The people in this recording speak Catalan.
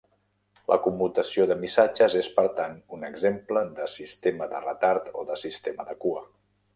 La commutació de missatges és, per tant, un exemple de sistema de retard o de sistema de cua.